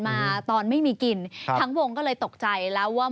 มาตอนไม่มีกินครับทั้งวงก็เลยตกใจแล้วว่า